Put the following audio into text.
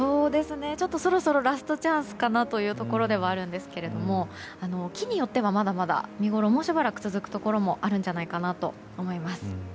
そろそろラストチャンスかなというところではあるんですが木によってはまだまだ見ごろがもうしばらく続くところもあるんじゃないかと思います。